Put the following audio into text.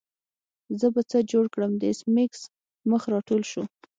زه به څه جوړ کړم د ایس میکس مخ راټول شو